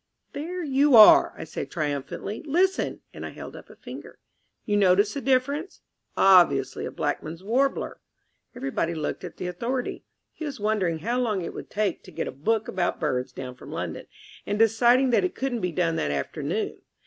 "There you are!" I said triumphantly. "Listen," and I held up a finger. "You notice the difference? Obviously a Blackman's Warbler." Everybody looked at the Authority. He was wondering how long it would take to get a book about birds down from London, and deciding that it couldn't be done that afternoon.